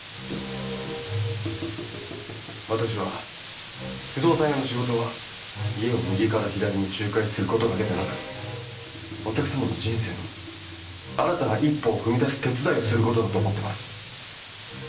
私は不動産屋の仕事は家を右から左に仲介することだけでなくお客様の人生の新たな一歩を踏み出す手伝いをすることだと思ってます。